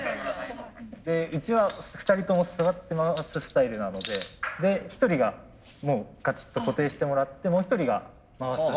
一応２人とも座って回すスタイルなので１人がガチッと固定してもらってもう一人が回す。